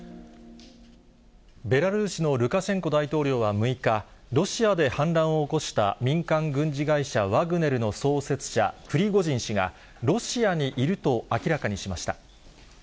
ベラルーシのルカシェンコ大統領は６日、ロシアで反乱を起こした民間軍事会社、ワグネルの創設者、プリゴジン氏が、ロシアにいると明らかにしました。